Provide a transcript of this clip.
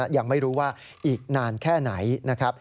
ยังไม่รู้ว่าอีกนานแค่ไหน